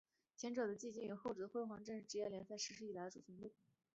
前者的沉寂与后者的辉煌正是职业联赛实施以来的主旋律。